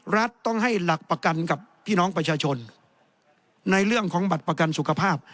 รัฐต้องให้หลักประกันกับพี่น้องประชาชนในเรื่องของบัตรประกันสุขภาพ